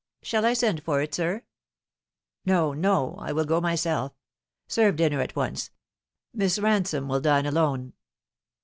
Shall I send for it, sir ?" "No, no I will go myself. Serve dinner at once. Miss Ransome will dine alone."